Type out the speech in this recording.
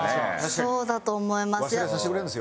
そうだと思います。